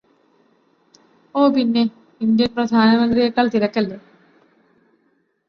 ഓ പിന്നെ ഇന്ത്യന് പ്രധാനമന്ത്രിയെക്കാള് തിരക്കല്ലേ